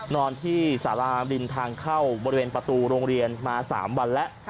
นอนที่สาราริมทางเข้าบริเวณประตูโรงเรียนมา๓วันแล้ว